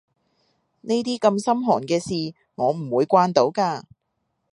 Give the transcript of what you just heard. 呢啲咁心寒嘅事我唔會慣到㗎